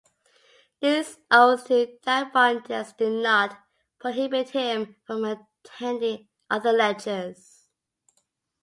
His oath to Diophantus did not prohibit him from attending other lectures.